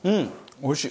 おいしい。